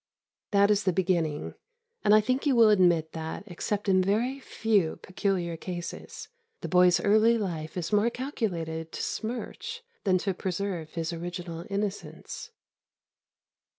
That is the beginning, and I think you will admit that, except in a few very peculiar cases, the boy's early life is more calculated to smirch than to preserve his original innocence.